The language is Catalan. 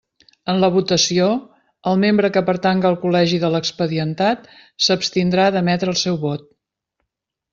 En la votació, el membre que pertanga al col·legi de l'expedientat, s'abstindrà d'emetre el seu vot.